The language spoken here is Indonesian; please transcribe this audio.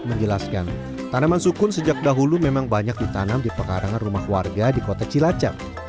menjelaskan tanaman sukun sejak dahulu memang banyak ditanam di pekarangan rumah warga di kota cilacap